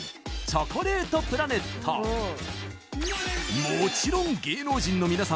チョコレートプラネットええ？